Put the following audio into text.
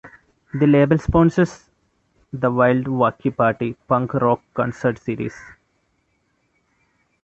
The label sponsors the Wild Wacky Party punk rock concert series.